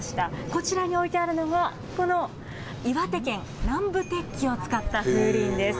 こちらに置いてあるのが、この岩手県、南部鉄器を使った風鈴です。